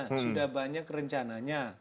sudah banyak rencananya